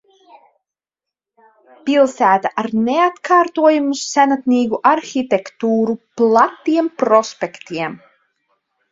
Pilsēta ar neatkārtojamu senatnīgu arhitektūru, platiem prospektiem.